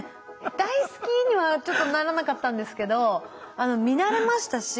大好きにはちょっとならなかったんですけど見慣れましたし